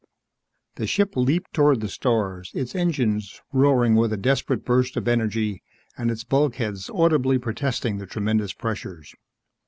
The ship leaped toward the stars, its engines roaring with a desperate burst of energy and its bulkheads audibly protesting the tremendous pressures.